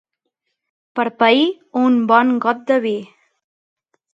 Per pair, un bon got de vi.